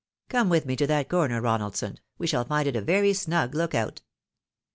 Come with me to that corner, Ronald son, we shall find it a very snug look out."